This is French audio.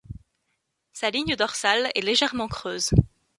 Sa ligne dorsale est légèrement creuse.